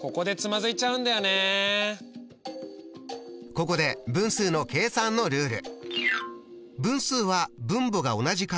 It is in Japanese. ここで分数の計算のルール。